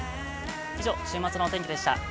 以上、週末のお天気でした。